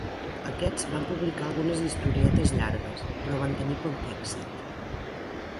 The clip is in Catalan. Aquests van publicar algunes historietes llargues, però van tenir poc èxit.